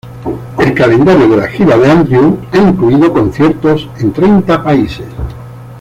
El calendario de la gira de Andrew ha incluido conciertos en treinta países.